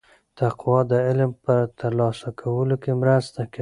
تقوا د علم په ترلاسه کولو کې مرسته کوي.